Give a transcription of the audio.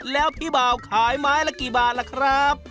แล้วพี่บ่าวขายไม้ละกี่บาทล่ะครับ